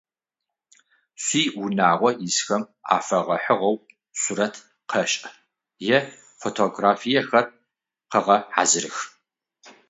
Шъуиунагъо исхэм афэгъэхьыгъэу сурэт къэшӏ, е фотографиехэр къэгъэхьазырых.